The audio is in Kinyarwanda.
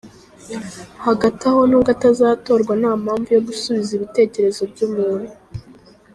hagati aho nubwo atazatorwa nta mpamvu yo gusubiza ibitekerezo by,umuntu.